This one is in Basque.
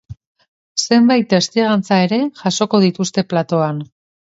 Zenbait testigantza ere jasoko dituzte platoan.